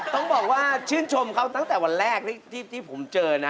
ต้องบอกว่าชื่นชมเขาตั้งแต่วันแรกที่ผมเจอนะ